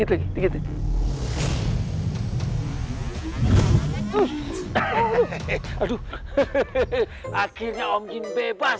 akhirnya om jin bebas